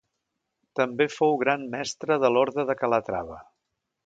També fou gran mestre de l'orde de Calatrava.